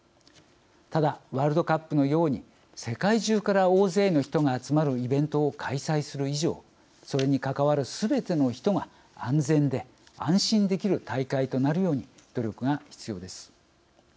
ただ、ワールドカップのように世界中から大勢の人が集まるイベントを開催する以上大会にかかわるすべての人が安全で安心できるようになる大会となるように努力が必要です。